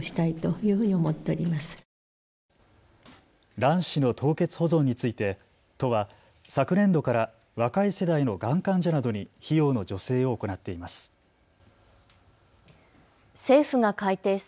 卵子の凍結保存について都は昨年度から若い世代のがん患者などに費用の助成を行っています。